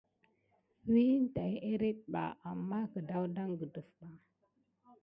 Wine tät óroko ɓa éyérne ɗi pay ama kedanga.